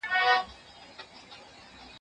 زه مخکي لرګي راوړلي وو؟